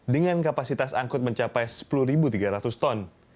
dengan kapasitas angkut mencapai sepuluh tiga ratus ton